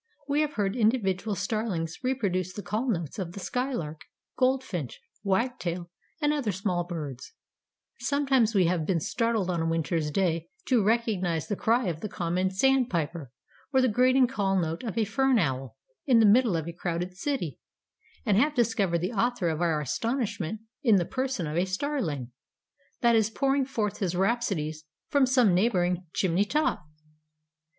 We have heard individual Starlings reproduce the call notes of the skylark, goldfinch, wagtail, and other small birds; sometimes we have been startled on a winter's day to recognize the cry of the common sandpiper or the grating call note of a fern owl in the middle of a crowded city, and have discovered the author of our astonishment in the person of a Starling, that is pouring forth his rhapsodies from some neighboring chimney top."